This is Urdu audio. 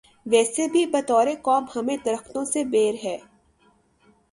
ویسے بھی بطور قوم ہمیں درختوں سے بیر ہے۔